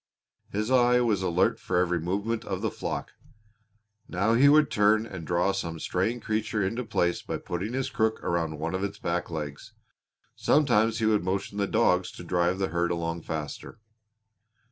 His eye was alert for every movement of the flock. Now he would turn and draw some straying creature into place by putting his crook around one of its back legs. Sometimes he would motion the dogs to drive the herd along faster.